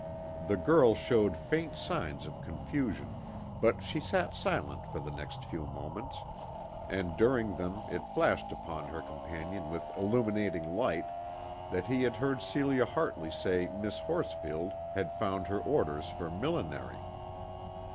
The girl showed faint signs of confusion, but she sat silent for the next few moments, and during them it flashed upon her companion with illuminating light that he had heard Celia Hartley say Miss Horsfield had found her orders for millinery.